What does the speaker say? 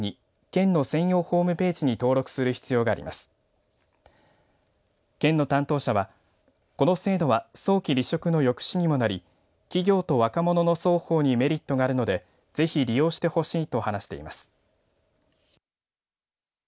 県の担当者はこの制度は早期離職の抑止にもなり企業と若者の双方にメリットがあるのでぜひ利用してほしいと話しています。